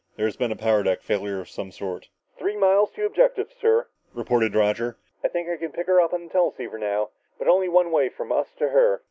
"There has been a power deck failure of some sort." "Three miles to objective, sir," reported Roger. "I think I can pick her up on the teleceiver now, but only one way, from us to her."